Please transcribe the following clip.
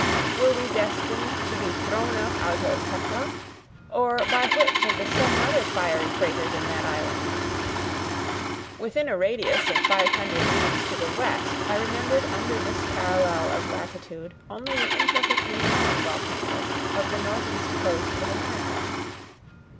Were we destined to be thrown up out of Hecla, or by which of the seven other fiery craters in that island? Within a radius of five hundred leagues to the west I remembered under this parallel of latitude only the imperfectly known volcanoes of the north east coast of America.